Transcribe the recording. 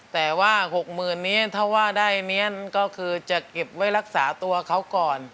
แต่ว่า๖๐๐๐นี้ถ้าว่าได้เมียนก็คือจะเก็บไว้รักษาตัวเขาก่อน